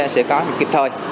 tổ liên gia sẽ có kịp thời